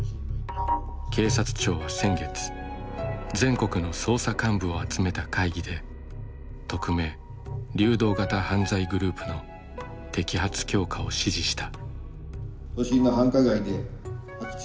警察庁は先月全国の捜査幹部を集めた会議で匿名・流動型犯罪グループの摘発強化を指示した。